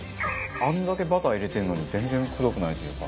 あんだけバター入れてるのに全然くどくないというか。